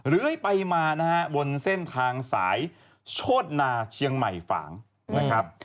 เลื้อยไปมานะฮะบนเส้นทางสายโชธนาเชียงใหม่ฝางนะครับ